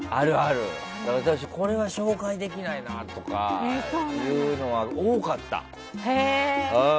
これは紹介できないなとかは多かった。